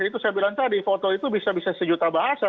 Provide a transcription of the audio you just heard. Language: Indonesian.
karena di foto itu bisa bisa sejuta bahasa